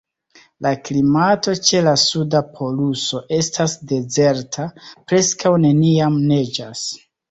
La klimato ĉe la Suda poluso estas dezerta: preskaŭ neniam neĝas.